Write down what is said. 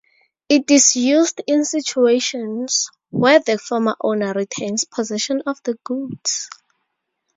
It is used in situations where the former owner retains possession of the goods.